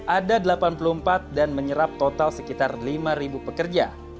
ada delapan puluh empat dan menyerap total sekitar lima pekerja